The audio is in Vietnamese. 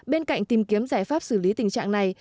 bên cạnh tìm kiếm giải pháp xử lý tình trạng này